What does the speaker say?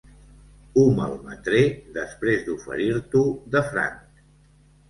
Ho malmetré després d'oferir-t'ho de franc.